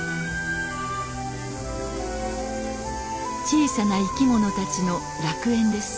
小さな生き物たちの楽園です。